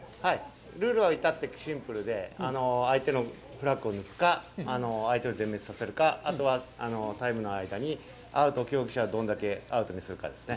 ルールは至ってシンプルで相手のフラッグを抜くか、相手を全滅させるか、あとはタイムの間に競技者をアウトにするかですね。